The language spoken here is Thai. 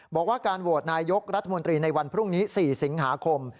บอกว่าการโหวตนายกรัฐมนตรีในวันพรุ่งนี้๔สิงหาคม